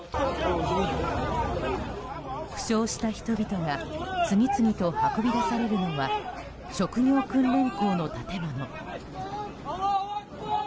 負傷した人々が次々と運び出されるのは職業訓練校の建物。